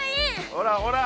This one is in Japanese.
ほらほら！